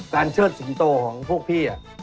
เชิดสิงโตของพวกพี่